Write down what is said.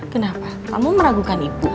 kenapa kamu meragukan ibu